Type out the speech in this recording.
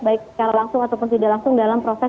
baik secara langsung ataupun tidak langsung dalam proses